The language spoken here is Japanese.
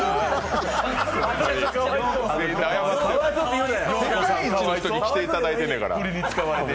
世界一の人に来ていただいてんやから。